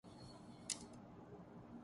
رضا حسن پر کوکین کے استعمال کا الزام